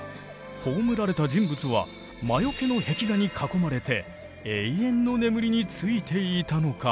葬られた人物は魔よけの壁画に囲まれて永遠の眠りについていたのか。